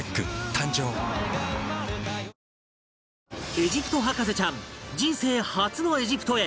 エジプト博士ちゃん人生初のエジプトへ